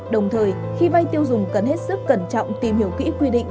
đồng thời khi vay tiêu dùng cần hết sức cẩn trọng tìm hiểu kỹ quy định